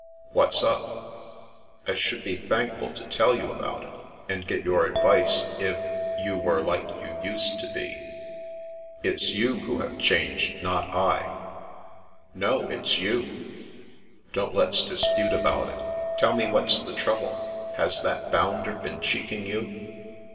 '' "What's up?" " I should be thankful to tdl you about it, and get your advice, if — ^you were like you used to be." " It's you who have changed, not I." " No, it's you." " Don't let's dispute about it. Tdl me what's the trouble. Has that bounder been cheeking you